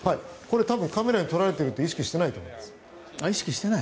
カメラに撮られていると意識していないと思います。